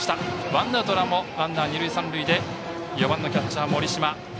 ワンアウトランナー、二塁三塁で４番、キャッチャー盛島。